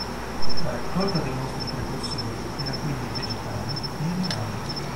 La raccolta dei nostri precursori era quindi vegetale e animale.